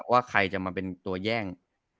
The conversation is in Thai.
ว่าใครจะมาเป็นตัวแย่ง